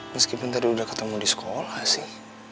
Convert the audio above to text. meskipun tadi udah ketemu di sekolah sih